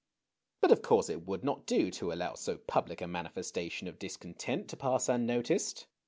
But of course it would not do to allow so public a manifestation of discontent to pass unnoticed.